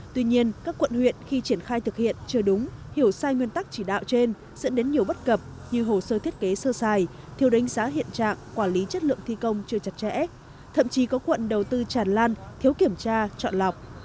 tuy nhiên các quận huyện khi triển khai thực hiện chưa đúng hiểu sai nguyên tắc chỉ đạo trên dẫn đến nhiều bất cập như hồ sơ thiết kế sơ xài thiêu đánh giá hiện trạng quản lý chất lượng thi công chưa chặt chẽ thậm chí có quận đầu tư tràn lan thiếu kiểm tra chọn lọc